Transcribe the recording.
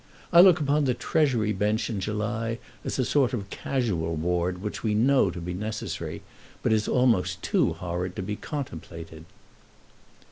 I look upon the Treasury Bench in July as a sort of casual ward which we know to be necessary, but is almost too horrid to be contemplated."